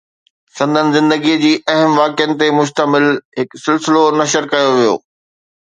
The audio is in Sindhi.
سندس زندگيءَ جي اهم واقعن تي مشتمل هڪ سلسلو نشر ڪيو ويو